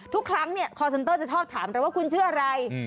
ทุกครั้งเนี่ยคอร์เซนเตอร์จะชอบถามเราว่าคุณชื่ออะไร